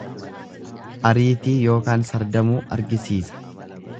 Ariitii ykn sardamuu argisiisa.